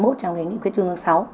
trong nghị quyết chương sáu